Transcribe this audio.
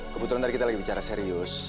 kebetulan tadi kita lagi bicara serius